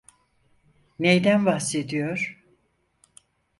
Neyden bahsediyor?